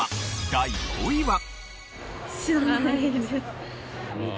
第５位は。